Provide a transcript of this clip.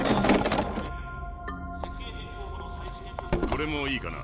これもいいかな？